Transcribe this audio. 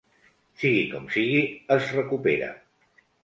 Sigui com sigui, es recupera.